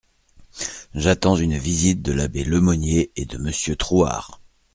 J'attends une visite de l'abbé Le Monnier et de Monsieur Trouard.